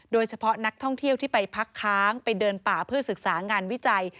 โดยเฉพาะนักท่องเที่ยวที่ไปพักค้างไปเดินป่าเพื่อศึกษางานวิจัย